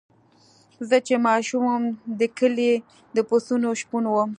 زه چې ماشوم وم د کلي د پسونو شپون وم.